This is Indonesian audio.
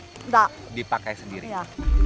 tidak dipakai sendiri ya